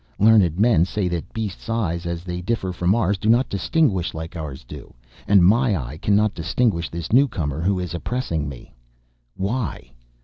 Learned men say that beasts' eyes, as they differ from ours, do not distinguish like ours do.... And my eye cannot distinguish this newcomer who is oppressing me. Why?